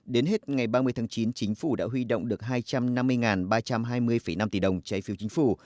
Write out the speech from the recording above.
đến hết ngày ba mươi tháng chín chính phủ đã huy động được hai trăm năm mươi ba trăm hai mươi năm tỷ đồng trái phiếu chính phủ